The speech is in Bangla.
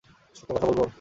– সত্য কথা বলব?